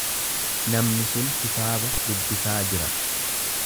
Namnii sun kitaaba dubbisaa jira.